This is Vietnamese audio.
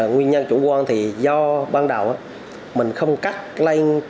nguyên nhân chủ quan thì do ban đầu mình không cắt lây cắt luôn